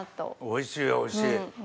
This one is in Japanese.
おいしいおいしい。